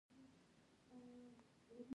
د اولیګارشۍ اوسپنیز قانون دا حالت تشریح کوي.